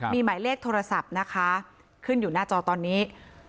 มีหมายเลขโทรศัพท์นะคะขึ้นอยู่หน้าจอตอนนี้